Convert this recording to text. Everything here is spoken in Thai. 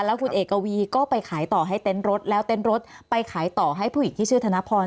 แล้วคุณเอกวีก็ไปขายต่อให้เต็นต์รถแล้วเต้นรถไปขายต่อให้ผู้หญิงที่ชื่อธนพร